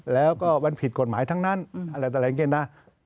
แล้วก็วันผิดกฎหมายทั้งนั้นอะไรต่างนะ